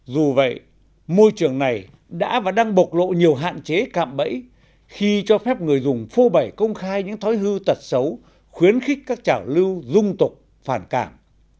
dù vậy môi trường này đã và đang bộc lộ nhiều hạn chế cạm bẫy khi cho phép người dùng phô bẩy công khai những thói hư tật xấu khuyến khích các trảo lưu dung tục phản cảm